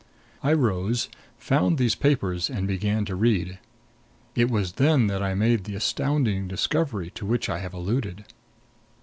I rose, found those papers, and began to read. It was then that I made the astounding discovery to which I have alluded.